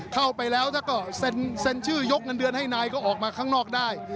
เข้าไปแล้วถ้าก็เซ็นชื่อยกเงินเดือนให้นายก็ออกมาข้างนอกได้